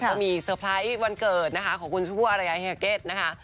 ก็มีเซอร์ไพรส์วันเกิดนะคะของคุณชมพู่อรยาเฮเก็ตนะคะ